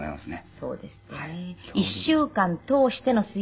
そうですね。